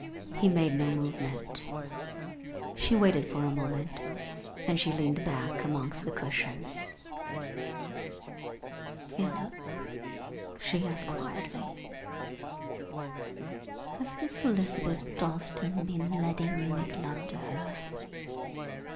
He made no movement. She waited for a moment, then she leaned back amongst the cushions. "Philip," she asked quietly, "has this Elizabeth Dalstan been letting you make love to her?"